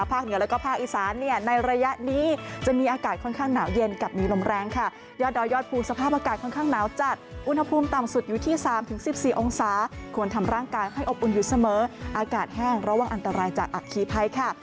เหนือแล้วก็ภาคอีสานเนี่ยในระยะนี้จะมีอากาศค่อนข้างหนาวเย็นกับมีลมแรงค่ะยอดดอยยอดภูมิสภาพอากาศค่อนข้างหนาวจัดอุณหภูมิต่ำสุดอยู่ที่๓๑๔องศาควรทำร่างกายให้อบอุ่นอยู่เสมออากาศแห้งระวังอันตรายจากอัคคีภัยค่ะ